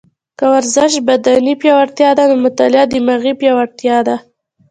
که ورزش بدني پیاوړتیا ده، نو مطاله دماغي پیاوړتیا ده